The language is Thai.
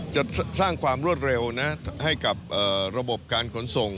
จะสร้างความรวดเร็วให้กับระบบการขนส่ง